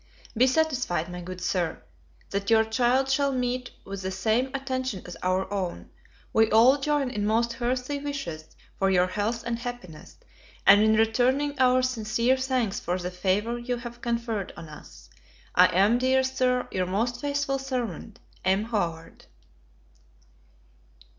Be satisfied, my good Sir, that your child shall meet with the same attention as our own. We all join in most hearty wishes for your health and happiness, and in returning our sincere thanks for the favour you have conferred on us. I am, dear Sir, Your most faithful servant, M. HOWARD.